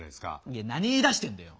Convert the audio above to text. いや何言いだしてんだよ。